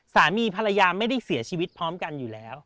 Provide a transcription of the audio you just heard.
สามีภรรยาไม่ได้เสียชีวิตพร้อมกันอยู่แล้ว